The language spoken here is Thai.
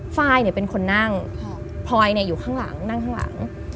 ฟ้ายเนี่ยเป็นคนนั่งพอยเนี่ยอยู่ข้างหลังนั่งข้างหลัง